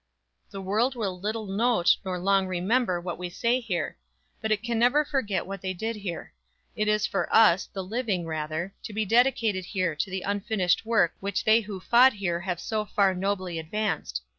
"The world will little note nor long remember what we say here, but it can never forget what they did here. It is for us, the living, rather, to be dedicated here to the unfinished work which they who fought here have so far nobly advanced.